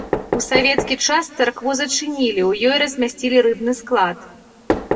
У савецкі час царкву зачынілі, у ёй размясцілі рыбны склад.